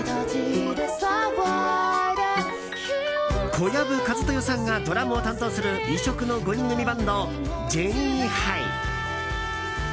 小籔千豊さんがドラムを担当する異色の５人組バンドジェニーハイ。